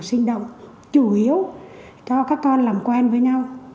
sinh động chủ yếu cho các con làm quen với nhau